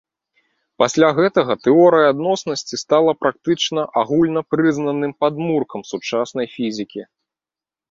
Пасля гэтага тэорыя адноснасці стала практычна агульнапрызнаным падмуркам сучаснай фізікі.